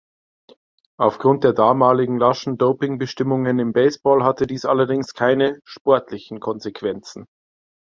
Aufgrund der damaligen laschen Dopingbestimmungen im Baseball hatte dies allerdings keine sportlichen Konsequenzen.